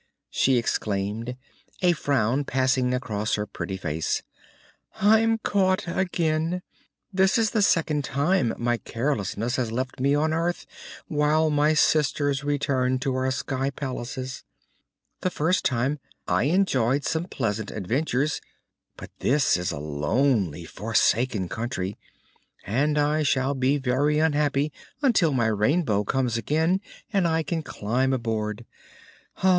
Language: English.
she exclaimed, a frown passing across her pretty face, "I'm caught again. This is the second time my carelessness has left me on earth while my sisters returned to our Sky Palaces. The first time I enjoyed some pleasant adventures, but this is a lonely, forsaken country and I shall be very unhappy until my Rainbow comes again and I can climb aboard.